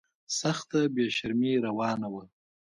سخته بې شرمي روانه وه.